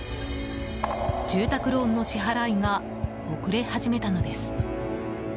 住宅ローンの支払いが遅れ始めたのです。